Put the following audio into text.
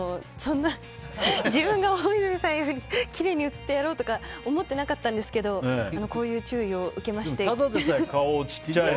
自分が大泉さんよりきれいに映ってやろうとか思ってなかったんですけどこういう注意を受けまして。